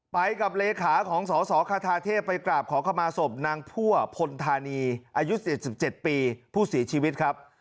ไปกับเลขาของสสคาเทพไปกราบขอขมาศพนางพั่วพลธานีอายุ๗๗ปีผู้เสียชีวิตครับ